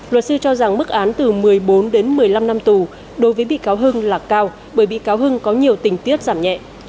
luật sư cho rằng mức án từ một mươi bốn đến một mươi năm năm tù đối với bị cáo hưng là cao bởi bị cáo hưng có nhiều tình tiết giảm nhẹ